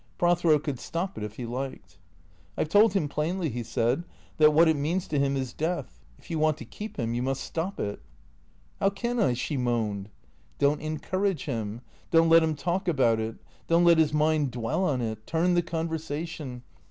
Prothero could stop it if he liked. " I 've told him plainly," he said, " that what it means to him is death. If you want to keep him, you must stop it." " How can I ?" she moaned. "Don't encourage him. Don't let him talk about it. Don't let his mind dwell on it. Turn the conversation.